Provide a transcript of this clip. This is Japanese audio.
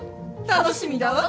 楽しみだわ。